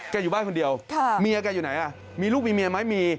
อยู่บ้านคนเดียวเมียแกอยู่ไหนมีลูกมีเมียไหมมี